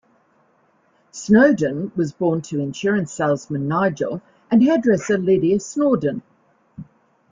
Snowdon was born to insurance salesman Nigel and hairdresser Lydia Snawdon.